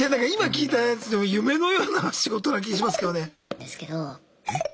今聞いたやつでも夢のような仕事な気しますけどね。